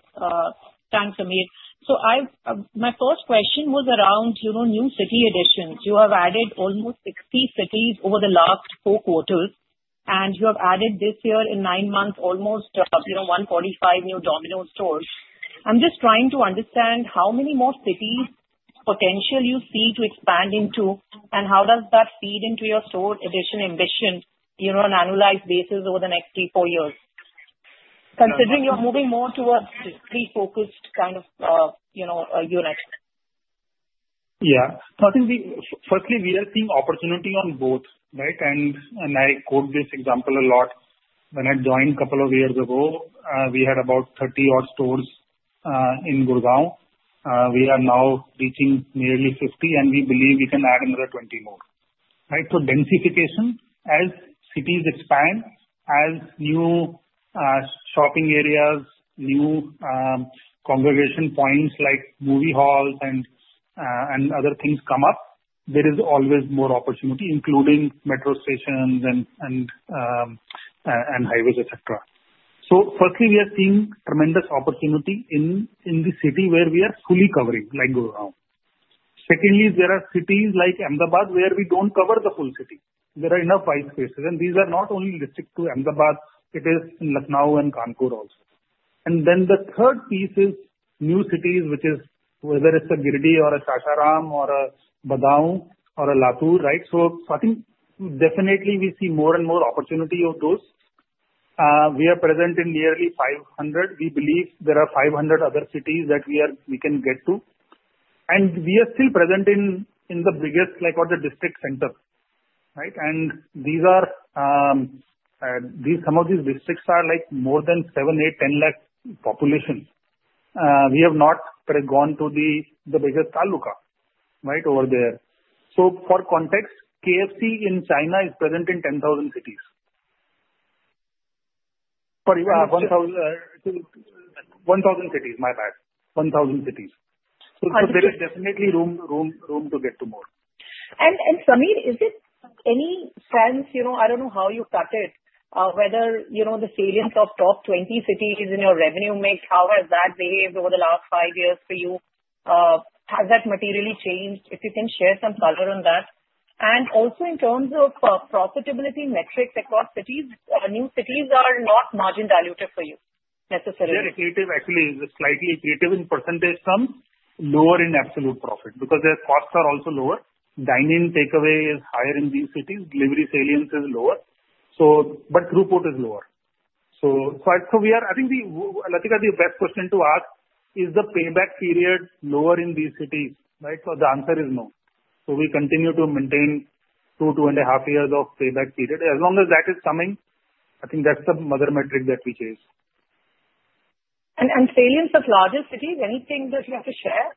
Thanks, Sameer. So, I, my first question was around, you know, new city additions. You have added almost 60 cities over the last four quarters, and you have added this year in nine months almost, you know, 145 new Domino's stores. I'm just trying to understand how many more cities potential you see to expand into, and how does that feed into your store addition ambition, you know, on an annualized basis over the next three, four years, considering you're moving more towards pre-focused kind of, you know, unit? Yeah. So, I think we firstly, we are seeing opportunity on both, right? And, and I quote this example a lot. When I joined a couple of years ago, we had about 30-odd stores, in Gurugram. We are now reaching nearly 50, and we believe we can add another 20 more, right? So, densification as cities expand, as new, shopping areas, new, congregation points like movie halls and, and other things come up, there is always more opportunity, including metro stations and, and, and highways, etc. So, firstly, we are seeing tremendous opportunity in, in the city where we are fully covering, like Gurugram. Secondly, there are cities like Ahmedabad where we don't cover the full city. There are enough white spaces, and these are not only restricted to Ahmedabad. It is in Lucknow and Kanpur also. Then the third piece is new cities, which is whether it's a Giridih or a Sasaram or a Budaun or a Latur, right? So, so I think definitely we see more and more opportunity of those. We are present in nearly 500. We believe there are 500 other cities that we are, we can get to. And we are still present in, in the biggest, like, or the district center, right? And these are, these some of these districts are like more than seven, eight, 10 lakh population. We have not gone to the, the biggest Taluka, right, over there. So, for context, KFC in China is present in 10,000 cities. Sorry, 1,000, 1,000 cities, my bad. 1,000 cities. So, so there is definitely room, room, room to get to more. Sameer, in any sense, you know, I don't know how you cut it, whether, you know, the salience of top 20 cities in your revenue mix, how has that behaved over the last five years for you? Has that materially changed? If you can share some color on that. And also, in terms of profitability metrics across cities, new cities are not margin diluted for you necessarily. They're creative, actually. Slightly creative in percentage terms, lower in absolute profit because their costs are also lower. Dining takeaway is higher in these cities. Delivery salience is lower. So, but throughput is lower. So, we are. I think, Latika, the best question to ask is the payback period lower in these cities, right? So, the answer is no. So, we continue to maintain two, two and a half years of payback period. As long as that is coming, I think that's the mother metric that we chase. Salience of larger cities, anything that you have to share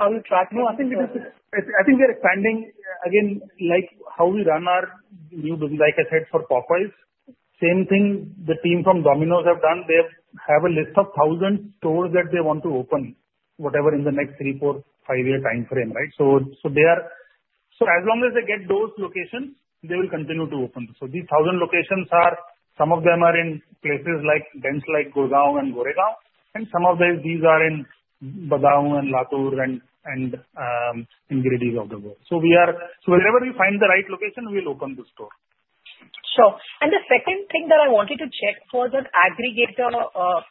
on track? No, I think we just, I think we are expanding. Again, like how we run our new business, like I said, for poppers, same thing the team from Domino's have done. They have a list of thousand stores that they want to open, whatever, in the next three, four, five-year time frame, right? So, as long as they get those locations, they will continue to open. So, these thousand locations, some of them are in places like dense, like Goregaon and Gurugram, and some of these are in Budaun and Latur and in Giridih of the world. So, wherever we find the right location, we'll open the store. Sure. And the second thing that I wanted to check for the aggregator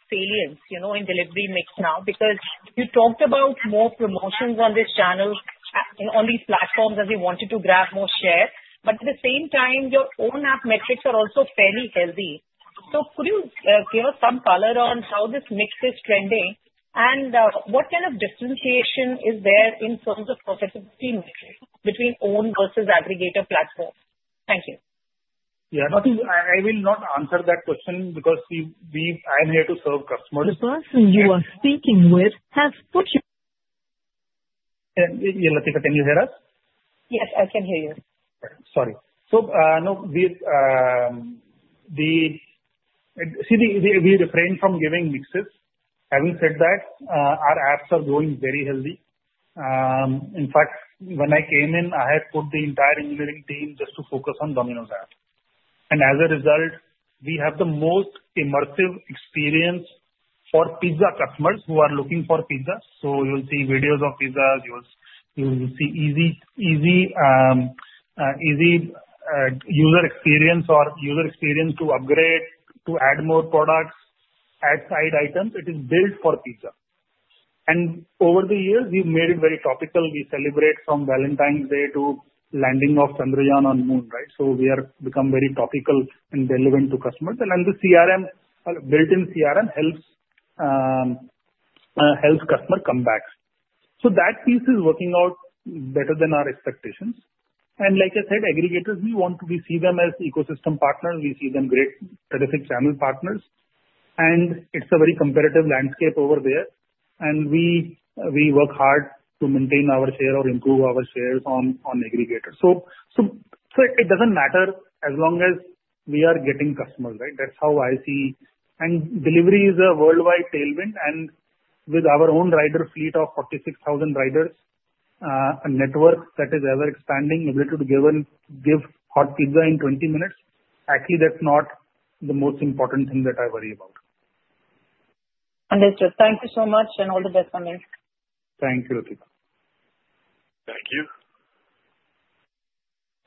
salience, you know, in delivery mix now, because you talked about more promotions on this channel, on these platforms as you wanted to grab more share. But at the same time, your own app metrics are also fairly healthy. So, could you give us some color on how this mix is trending? And what kind of differentiation is there in terms of profitability metrics between owned versus aggregator platforms? Thank you. Yeah. Nothing. I will not answer that question because I'm here to serve customers. The person you are speaking with has put you. Yeah. Yeah, Latika, can you hear us? Yes, I can hear you. Sorry. So, no, we refrain from giving mixes. Having said that, our apps are growing very healthy. In fact, when I came in, I had put the entire engineering team just to focus on Domino's app. And as a result, we have the most immersive experience for pizza customers who are looking for pizza. So, you'll see videos of pizzas. You'll see easy user experience to upgrade, to add more products, add side items. It is built for pizza. And over the years, we've made it very topical. We celebrate from Valentine's Day to landing of Chandrayaan on Moon, right? So, we have become very topical and relevant to customers. And then the CRM, built-in CRM helps customer come back. So, that piece is working out better than our expectations. Like I said, aggregators, we want to. We see them as ecosystem partners. We see them great, terrific channel partners. It's a very competitive landscape over there. We work hard to maintain our share or improve our shares on aggregator. So it doesn't matter as long as we are getting customers, right? That's how I see. Delivery is a worldwide tailwind. With our own rider fleet of 46,000 riders, a network that is ever-expanding, able to give and give hot pizza in 20 minutes, actually, that's not the most important thing that I worry about. Understood. Thank you so much and all the best, Sameer. Thank you, Latika. Thank you.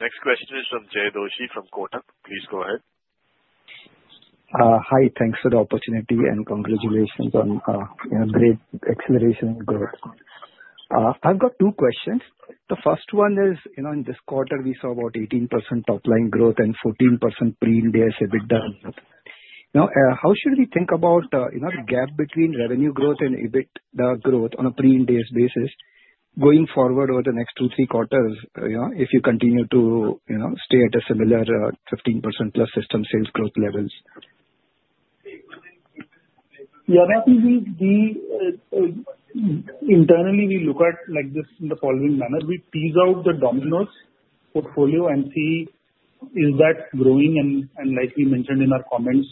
Next question is from Jay Doshi from Kotak. Please go ahead. Hi. Thanks for the opportunity and congratulations on, you know, great acceleration and growth. I've got two questions. The first one is, you know, in this quarter, we saw about 18% top-line growth and 14% Pre-Ind AS EBITDA. Now, how should we think about, you know, the gap between revenue growth and EBITDA growth on a Pre-Ind AS basis going forward over the next two, three quarters, you know, if you continue to, you know, stay at a similar, 15% plus system sales growth levels? Yeah. I think we internally look at, like, this in the following manner. We tease out the Domino's portfolio and see is that growing and like we mentioned in our comments,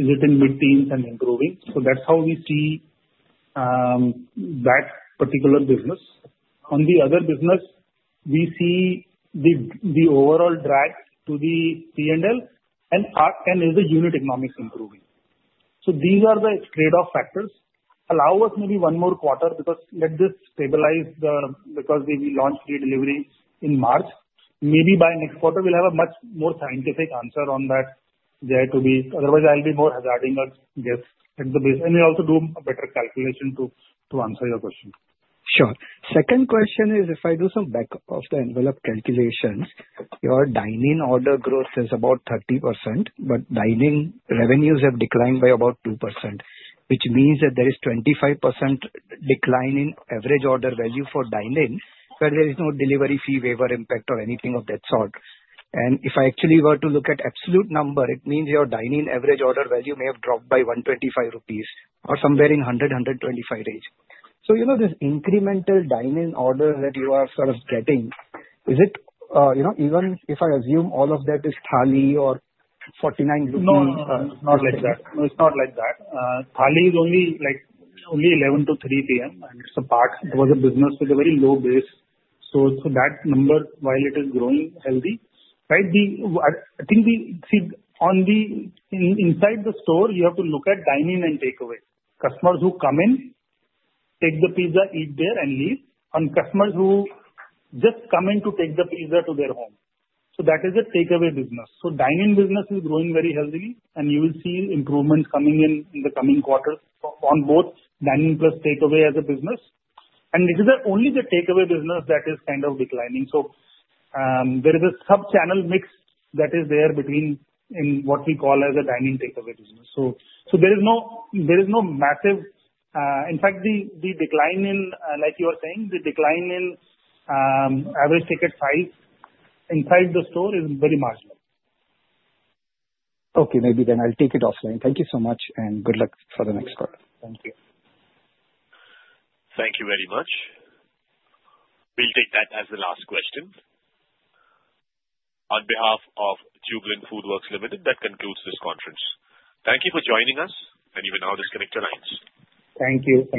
is it in mid-teens and improving? So, that's how we see that particular business. On the other business, we see the overall drag to the P&L and is the unit economics improving? So, these are the trade-off factors. Allow us maybe one more quarter because let this stabilize, because we launched the delivery in March. Maybe by next quarter, we'll have a much more scientific answer on that there to be. Otherwise, I'll be more hazarding a guess at the base. And we also do a better calculation to answer your question. Sure. Second question is, if I do some back of the envelope calculations, your dine-in order growth is about 30%, but dine-in revenues have declined by about 2%, which means that there is 25% decline in average order value for dine-in, where there is no delivery fee waiver impact or anything of that sort. And if I actually were to look at absolute number, it means your dine-in average order value may have dropped by 125 rupees or somewhere in 100-125 range. So, you know, this incremental dine-in order that you are sort of getting, is it, you know, even if I assume all of that is Thali or INR 49? No, it's not like that. It's not like that. Thali is only, like, only 11:00 A.M. to 3:00 P.M., and it's a part. It was a business with a very low base. So, so that number, while it is growing healthy, right, the, I think we see on the, inside the store, you have to look at dine-in and takeaway. Customers who come in, take the pizza, eat there, and leave, and customers who just come in to take the pizza to their home. So, that is a takeaway business. So, dine-in business is growing very healthily, and you will see improvements coming in, in the coming quarters on both dine-in plus takeaway as a business. And it is only the takeaway business that is kind of declining. So, there is a sub-channel mix that is there between in what we call as a dine-in takeaway business. There is no massive decline. In fact, like you were saying, the decline in average ticket size inside the store is very marginal. Okay. Maybe then I'll take it offline. Thank you so much, and good luck for the next quarter. Thank you. Thank you very much. We'll take that as the last question. On behalf of Jubilant FoodWorks Limited, that concludes this conference. Thank you for joining us, and you may now disconnect your lines. Thank you.